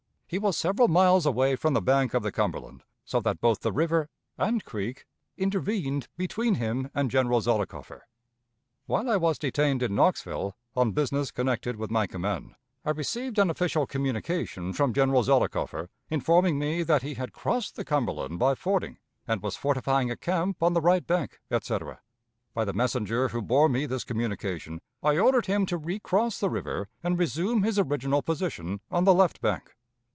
He was several miles away from the bank of the Cumberland, so that both the river and creek intervened between him and General Zollicoffer. While I was detained in Knoxville, on business connected with my command, I received an official communication from General Zollicoffer, informing me that he had crossed the Cumberland by fording, and was fortifying a camp on the right bank, etc. By the messenger who bore me this communication I ordered him to recross the river and resume his original position on the left bank.